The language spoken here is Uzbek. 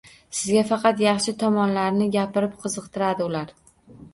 Sizga faqat yaxshi tomonlarini gapirib qiziqtiradi ular.